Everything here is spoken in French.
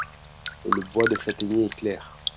Le bois de châtaignier est clair.